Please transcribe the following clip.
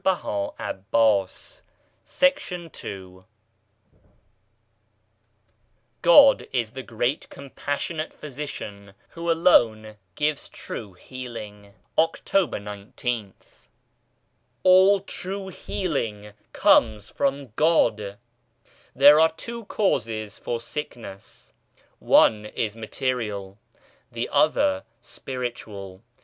THE GREAT PHYSICIAN 15 GOD IS THE GREAT COMPASSIONATE PHYSICIAN WHO ALONE GIVES TRUE HEALING October igth, A LL true healing comes from God 1 There are two ^ causes for sickness, one is material, the other spiritual.